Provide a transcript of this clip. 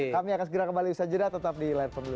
kami akan segera kembali bersajar tetap di lain pemilu